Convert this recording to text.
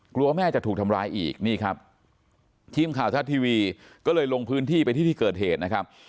กลัวแม่จะถูกทำร้ายอีกนี่ครับทีมข่าวทัศน์ทีวีก็เลยลงพื้นที่ไปที่ที่เกิดเหตุนะครับ